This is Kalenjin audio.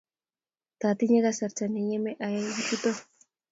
tatinye kasarta ne yemei ayai kuchutok